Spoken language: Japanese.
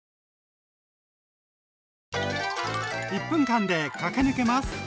１分間で駆け抜けます！